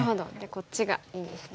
こっちがいいんですね。